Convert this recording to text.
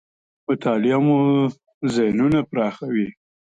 مطالعه مو ذهنونه پراخوي .